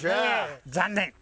残念。